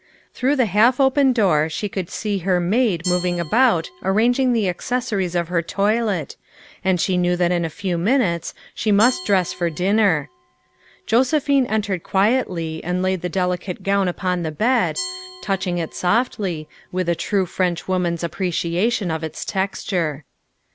Through the half open door she could see her maid moving about arranging the accessories of her toilet, and she knew that in a few minutes she must dress for din THE SECRETARY OF STATE 147 ner. Josephine entered quietly and laid the delicate gown upon the bed, touching it softly, with a true Frenchwoman's appreciation of its texture.